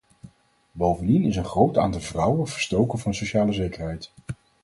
Bovendien is een groot aantal vrouwen verstoken van sociale zekerheid.